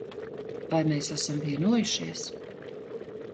Vai mēs esam vienojušies?